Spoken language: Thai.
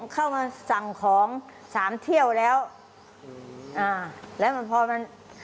เข้ามาสั่งของสามเที่ยวแล้วอ่าแล้วแล้วมันพอมัน